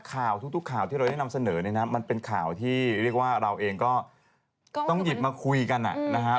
ข่าวทุกข่าวที่เราได้นำเสนอเนี่ยนะมันเป็นข่าวที่เรียกว่าเราเองก็ต้องหยิบมาคุยกันนะฮะ